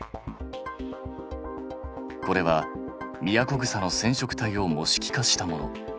これはミヤコグサの染色体を模式化したもの。